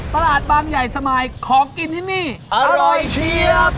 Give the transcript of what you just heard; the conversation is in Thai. ตลาดบางใหญ่สมายของกินที่นี่อร่อยเชียบ